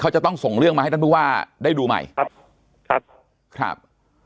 เขาจะต้องส่งเรื่องมาให้ท่านผู้ว่าได้ดูใหม่ครับครับครับ